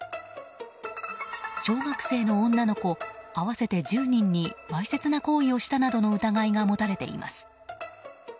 小学生の女の子合わせて１０人にわいせつな行為をしたなどの疑いが持たれています。